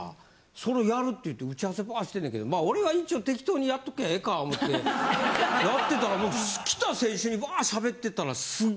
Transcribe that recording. それやるって言って打ち合わせバーッしててんけどまあ俺は一応適当にやっときゃええか思ってやってたらもう来た選手にバーッしゃべってたら。